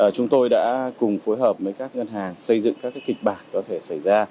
chúng tôi đã cùng phối hợp với các ngân hàng xây dựng các kịch bản có thể xảy ra